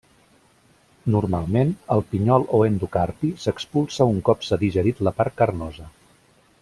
Normalment, el pinyol o endocarpi s'expulsa un cop s'ha digerit la part carnosa.